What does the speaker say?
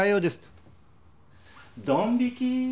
ドン引き。